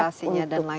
dan lain sebagainya